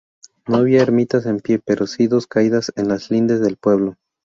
No había ermitas en pie pero si dos caídas en las lindes del pueblo.